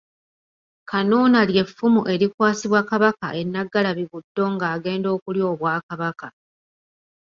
Kanuuna ly’Effumu erikwasibwa Kabaka e Nnaggalabi Buddo ng’agenda okulya Obwakabaka.